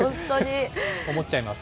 思っちゃいます。